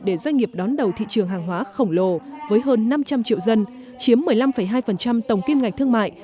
để doanh nghiệp đón đầu thị trường hàng hóa khổng lồ với hơn năm trăm linh triệu dân chiếm một mươi năm hai tổng kim ngạch thương mại